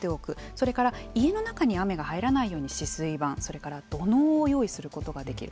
それから家の中に雨が入らないように止水板それから土のうを用意することができる。